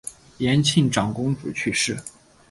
延庆长公主去世。